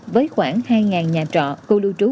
với khoảng hai nhà trọ khu lưu trú